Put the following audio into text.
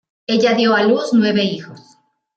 Ella dio a luz nueve hijos.